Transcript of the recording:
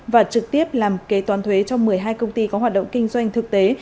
và trực tiếp làm kế toán thuế cho một mươi hai công ty có hoạt động kinh doanh thực tế